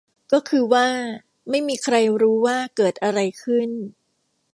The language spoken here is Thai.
ก็คือว่า ไม่มีใครรู้ว่าเกิดอะไรขึ้น